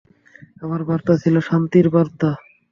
আমার বার্তা ছিল শান্তির বার্তা।